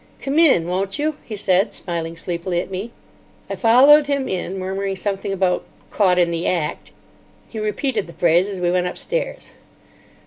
"Come in, won't you?" he said, smiling sleepily at me. I followed him in, murmuring something about "caught in the act." He repeated the phrase as we went upstairs.